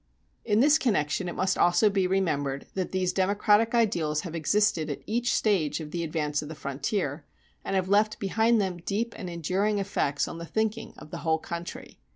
In this connection it must also be remembered that these democratic ideals have existed at each stage of the advance of the frontier, and have left behind them deep and enduring effects on the thinking of the whole country.